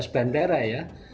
tiga belas bandara ya